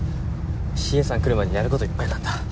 ＣＡさん来る前にやる事いっぱいなんだ。